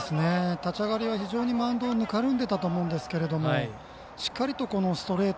立ち上がりは非常にマウンドぬかるんでいたと思うんですけどしっかりと、ストレート